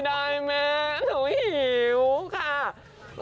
เธอไม่ได้เหมีย